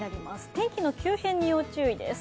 天気の急変に要注意です。